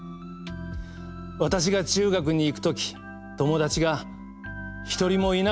私が中学に行くとき友達が一人もいなくてもいい。